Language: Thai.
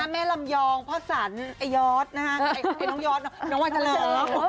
แม่ลำยองพ่อสันไอ้ยอร์ดไอ้น้องยอร์ดน้องวันเฉลิบ